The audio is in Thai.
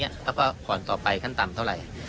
แล้วก็ก่อนต่อไปขั้นต่ำเท่าไหร่